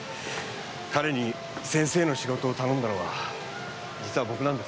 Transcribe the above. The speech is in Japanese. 彼に先生の仕事を頼んだのは実は僕なんです。